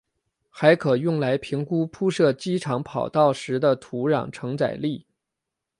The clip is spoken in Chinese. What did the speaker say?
还可用来评估铺设机场跑道时的土壤承载力。